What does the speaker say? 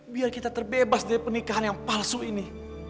biar kita terbebas dari pernikahan yang palsu ini